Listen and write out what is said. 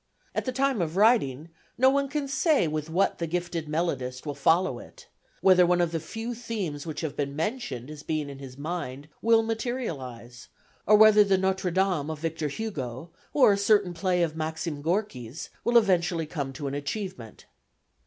At the time of writing no one can say with what the gifted melodist will follow it whether one of the few themes which have been mentioned as being in his mind will materialise, or whether the "Notre Dame" of Victor Hugo, or a certain play of Maxim Gorky's will eventually come to an achievement.